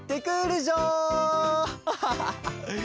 アハハハ！